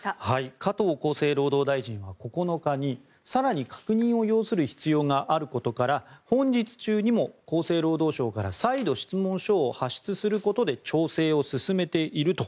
加藤厚生労働大臣は９日に更に確認を要する必要があることから本日中にも厚生労働省から再度、質問書を発出することで調整を進めていると。